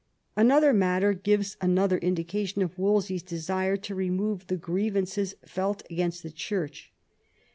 Another matter gives another indication of Wolsey's desire to remove the grievances felt against the Church.